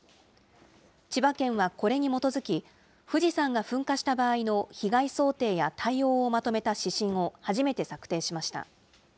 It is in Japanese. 千葉県はこれに基づき、富士山が噴火した場合の被害想定や対応をまとめた指針を初めて策定しました。